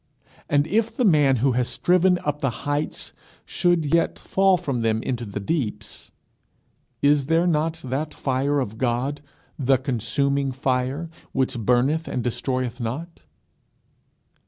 And if the man who has striven up the heights should yet fall from them into the deeps, is there not that fire of God, the consuming fire, which burneth and destroyeth not?